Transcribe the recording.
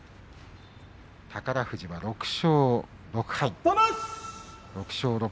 宝富士は６勝６敗。